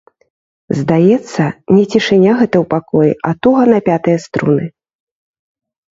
Здаецца, не цішыня гэта ў пакоі, а туга напятыя струны.